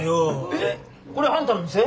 えっこれあんたの店？